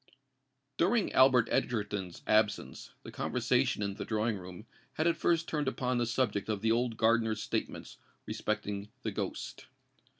During Albert Egerton's absence, the conversation in the drawing room had at first turned upon the subject of the old gardener's statements respecting the ghost.